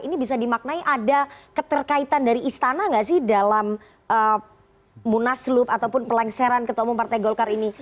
ini bisa dimaknai ada keterkaitan dari istana nggak sih dalam munaslup ataupun pelengseran ketua umum partai golkar ini